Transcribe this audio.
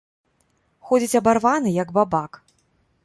Ходзіць абарваны, як бабак.